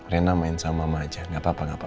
rena main sama mama aja gak apa apa